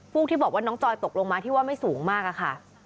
พวกที่บอกว่าน้องจอยตกลงมาที่ว่าไม่สูงมากอะค่ะ